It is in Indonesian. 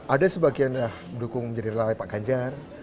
ada sebagian mendukung menjadi relawan pak ganjar